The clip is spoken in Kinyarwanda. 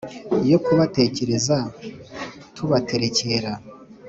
yo kubatekereza tubaterekera